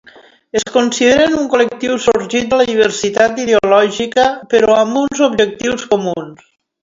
Es consideren un col·lectiu sorgit de la diversitat ideològica però amb uns objectius comuns.